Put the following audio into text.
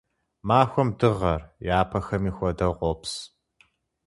Махуэм дыгъэр, япэхэми хуэдэу, къопс.